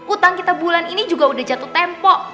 utang kita bulan ini juga udah jatuh tempo